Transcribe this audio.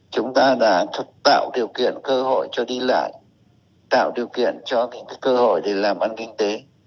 chúng ta đã tạo điều kiện cơ hội cho đi lại tạo điều kiện cho cơ hội để làm ăn kinh tế